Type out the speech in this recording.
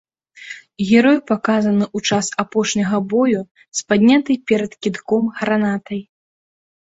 Герой паказаны ў час апошняга бою з паднятай перад кідком гранатай.